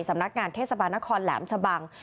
สำนักงานเทศบาลนครแหลมชะบัง